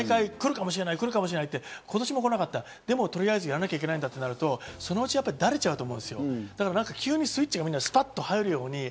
毎回来るかもしれない、来るかもしれないって今年も来なかった、でもとりあえず、やんなきゃなんないんだってなると、そのうちダレちゃうと思う。